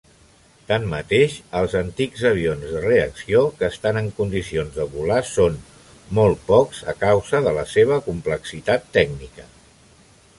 Tanmateix, els antics avions de reacció que estan en condicions de volar són molt pocs a causa de la seva complexitat tècnica.